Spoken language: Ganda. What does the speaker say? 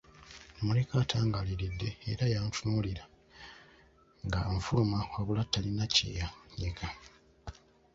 Nnamuleka atangaaliridde era yantunuulira nga nfuluma wabula talina kye yannyega.